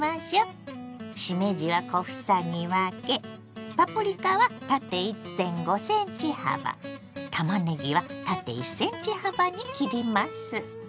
しめじは小房に分けパプリカは縦１．５ｃｍ幅たまねぎは縦１ｃｍ幅に切ります。